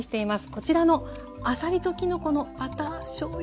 こちらの「あさりときのこのバターしょうゆ蒸し」